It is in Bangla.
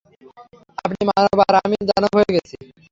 আপনি মানব আর আমি দানব হয়ে গেছি।